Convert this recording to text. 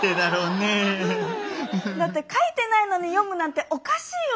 だって書いてないのに読むなんておかしいよね。